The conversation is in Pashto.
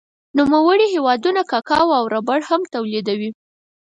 نوموړی هېوادونه کاکاو او ربړ هم تولیدوي.